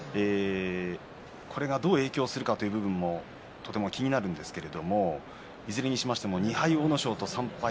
これがどう影響するかという部分もとても気になりますがいずれにしても２敗の阿武咲と３敗の